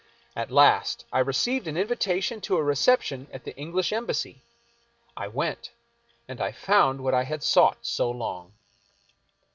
At last I received an invitation to a reception at the English Em bassy. I went, and I found what I had sought so long.